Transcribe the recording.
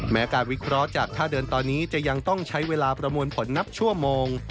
แม้การวิเคราะห์จากท่าเดินตอนนี้จะยังต้องใช้เวลาประมวลผลนับชั่วโมง